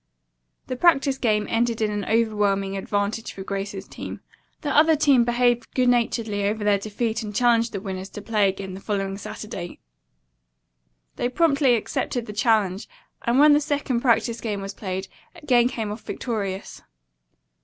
The practice game ended in an overwhelming advantage for Grace's team. The other team behaved good naturedly over their defeat and challenged the winners to play again the following Saturday. They promptly accepted the challenge, and, when the second practice game was played, again came off victorious.